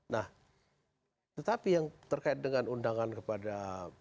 nah tetapi yang terkait dengan undangan kepada